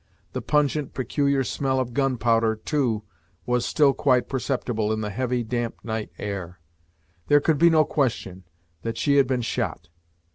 The pungent, peculiar smell of gunpowder, too, was still quite perceptible in the heavy, damp night air. There could be no question that she had been shot.